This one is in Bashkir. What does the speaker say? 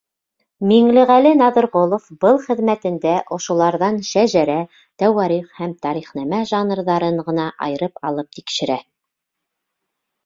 Миңлеғәле Нәҙерғолов был хеҙмәтендә ошоларҙан шәжәрә, тәуарих һәм тарихнамә жанрҙарын ғына айырып алып тикшерә.